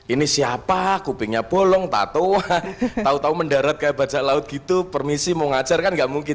ini siapa kupingnya poleng tatuan tau tau mendarat kayak bajak laut gitu permisi mau ngajar kan nggak mungkin